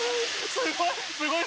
すごい。